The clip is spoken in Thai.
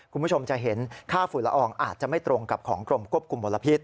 คุณผู้ชมจะเห็นค่าฝุ่นละอองอาจจะไม่ตรงกับของกรมควบคุมมลพิษ